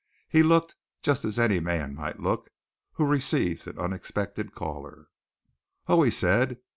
He looked just as any man might look who receives an unexpected caller. "Oh!" he said.